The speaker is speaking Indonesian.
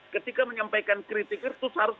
ketika menyampaikan kritik kertus harus